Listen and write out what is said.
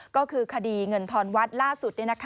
ก็คือคดีเงินทอนวัดล่าสุด